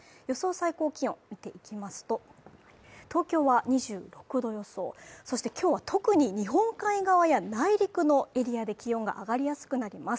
最高気温を見ていきますと、東京は２６度予想そして今日は特に日本海側や内陸のエリアで気温が上がりやすくなります。